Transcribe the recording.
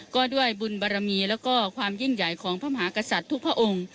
ก็ด้วยบุญบารมีแล้วก็ความยิ่งใหญ่ของพระมหากษัตริย์ทุกพระองค์